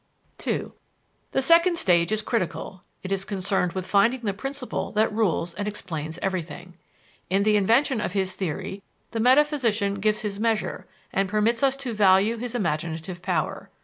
(2) The second stage is critical. It is concerned with finding the principle that rules and explains everything. In the invention of his theory the metaphysician gives his measure, and permits us to value his imaginative power.